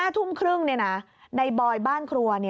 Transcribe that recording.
๕ทุ่มครึ่งในบอยบ้านครัว